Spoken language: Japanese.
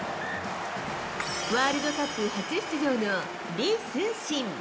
ワールドカップ初出場の李承信。